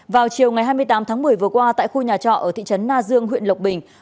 vào chiều ngày hai mươi tám tháng một mươi vừa qua tại khu nhà trọ ở thị trấn na dương huyện lộc bình